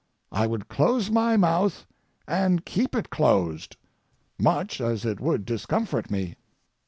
I would close my mouth and keep it closed, much as it would discomfort me.